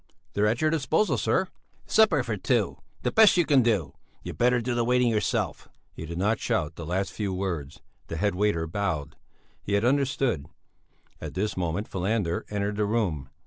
"They're at your disposal, sir!" "Supper for two, the best you can do! You'd better do the waiting yourself." He did not shout the last few words; the head waiter bowed; he had understood. At this moment Falander entered the room.